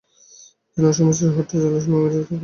তিনি অসমের শ্রীহট্ট জেলার সুনামগঞ্জে থেকে একটি চিতাবাঘ কেনেন।